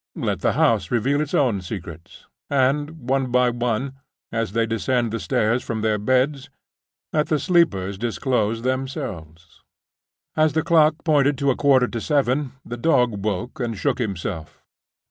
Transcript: Let the house reveal its own secrets; and, one by one, as they descend the stairs from their beds, let the sleepers disclose themselves. As the clock pointed to a quarter to seven, the dog woke and shook himself.